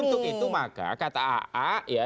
untuk itu maka kata aa ya